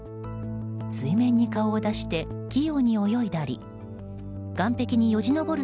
水面に顔を出して器用に泳いだり岸壁によじ登る